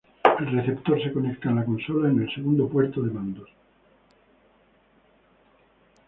El receptor se conecta en la consola en el segundo puerto de mandos.